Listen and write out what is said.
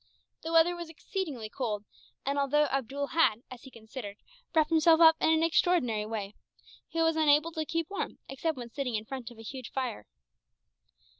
The weather was exceedingly cold, and although Abdool had, as he considered, wrapped himself up in an extraordinary way, he was unable to keep warm, except when sitting in front of a huge fire.